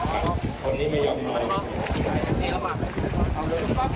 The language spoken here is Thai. คนนี้ไม่ยอมรอย